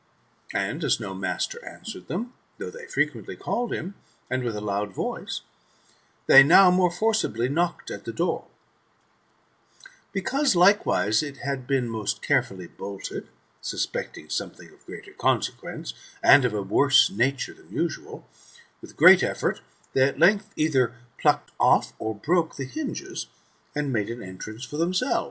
And as no master answered them, though they frequently called him, and with a loud voice, they now more forcibly knocked at the door Because, likewise, it had been most carefully bolted, suspecting something of greater consequence, and of a worse nature than usual, with great effort, they at length either plucked off or broke the hinges, and made an entrance for themselves.